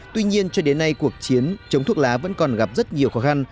tuy nhiên cho đến nay cuộc chiến chống thuốc lá vẫn còn gặp rất nhiều khó khăn